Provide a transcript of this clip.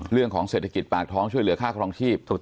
เรื่องของเศรษฐกิจปากท้องช่วยเหลือค่าครองชีพ